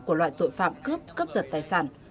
của loại tội phạm cướp cướp giật tài sản